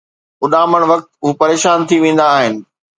اُڏامڻ وقت هو پريشان ٿي ويندا آهن